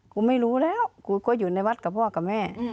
กูไม่รู้แล้วกูก็อยู่ในวัดกับพ่อกับแม่